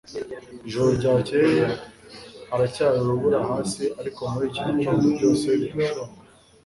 Ijoro ryakeye haracyari urubura hasi ariko muri iki gitondo byose birashonga